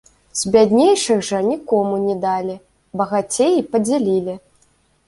З бяднейшых жа нікому не далі, багацеі падзялілі.